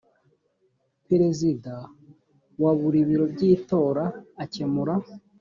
perezida wa buri biro by itora akemura